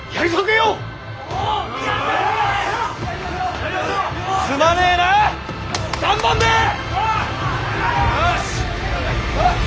よし。